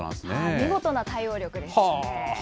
見事な対応力ですね。